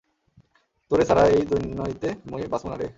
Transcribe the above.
তোরে ছাড়া এই দুন্নইতে মুই বাঁচমুনারে।